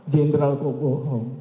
jenderal kok bohong